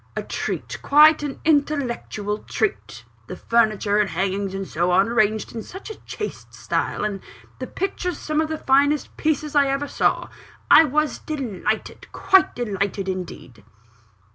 A treat; quite an intellectual treat the furniture and hangings, and so on, arranged in such a chaste style and the pictures, some of the finest pieces I ever saw I was delighted quite delighted, indeed."